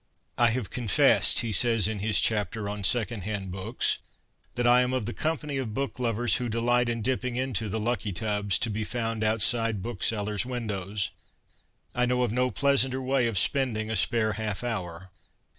' I have confessed,' he says in his chapter on ' Second hand Books,' ' that / am of the company of book lovers who delight in dipping into the " lucky tubs " to be found outside booksellers' windows. I know of no pleasanter way of spending a spare half hour.